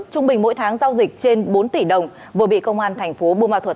trung bình mỗi tháng giao dịch trên bốn tỷ đồng vừa bị công an thành phố bùa ma thuật